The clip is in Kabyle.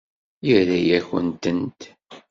Yerra-yakent-tent.